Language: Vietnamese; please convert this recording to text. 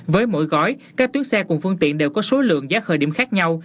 với mỗi gói các tuyến xe cùng phương tiện đều có số lượng giá khởi điểm khác nhau